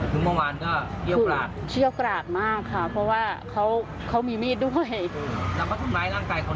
หนึ่งเมื่อวานก็เที่ยวกราบเที่ยวกราบมากค่ะเพราะว่าเขามีมืดด้วย